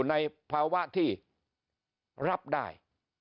อยู่ในภาวะที่รับได้